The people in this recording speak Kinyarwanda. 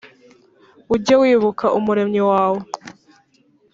ujye wibuka umuremyi wawe